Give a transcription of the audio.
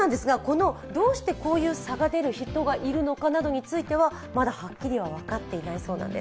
どうしてこういう差が出る人がいるのかなどについてはまだはっきりは分かっていないそうなんです。